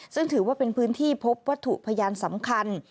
ซึ่งถือว่าเป็นพื้นที่พบวัตถุพยานสำคัญ